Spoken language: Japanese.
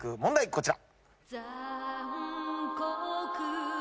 こちら。